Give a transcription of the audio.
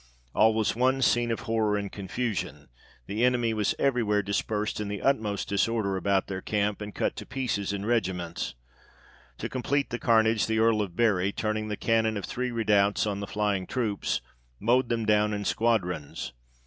All was one scene of horror and confusion, the enemy were every where dispersed in the utmost disorder about their camp, and cut to pieces in regiments. To complete the carnage, the Earl of Bury, turning the cannon of three redoubts on the flying troops, mowed them down in squadrons.